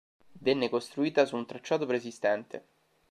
Venne costruita su un tracciato preesistente.